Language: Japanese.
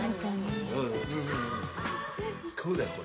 こうだよこれ。